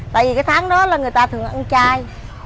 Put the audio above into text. tại vì cái tháng đó là người ta thường ăn chai